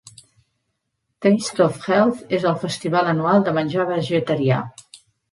"Taste of Health" és el festival anual de menjar vegetarià.